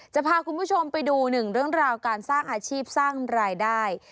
จะพาคุณผู้ชมไปดูหนึ่งเรื่องราวการสร้างอาชีพสร้างรายได้